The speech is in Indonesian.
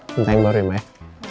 benteng baru ya mbak